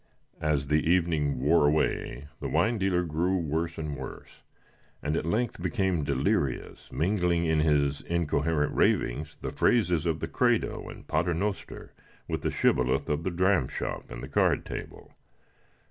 As the evening wore away, the wine dealer grew worse and worse, and at length became delirious, mingling in his incoherent ravings the phrases of the Credo and Paternoster with the shibboleth of the dram shop and the card table.